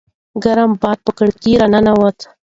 ګرم باد په کړکۍ راننووت.